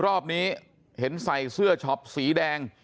รอบนี้เห็นใส่เสื้อช็อปสีแดง